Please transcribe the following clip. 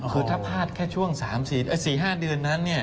คือถ้าผลาดแค่ช่วง๔๕เดือนนั้นเนี่ย